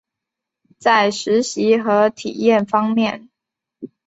在实习和体验方面